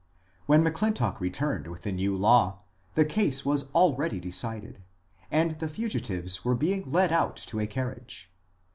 When M'Clintock returned with the new law, the case was already decided, and the fugitives were being led out to a carriage.